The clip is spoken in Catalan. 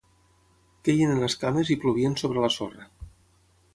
Queien en escames i plovien sobre la sorra.